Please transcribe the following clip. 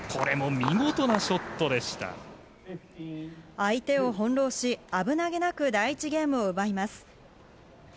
相手を翻弄し、危なげなく第１ゲームを奪います。